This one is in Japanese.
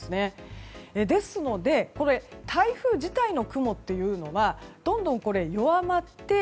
ですので台風自体の雲というのはどんどん弱まって